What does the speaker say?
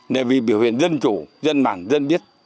để vì biểu hiện dân chủ dân bản dân biết